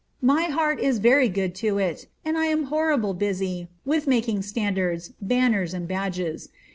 My heart is very good to it, and I am horrible busy with making standards, banners, and badges.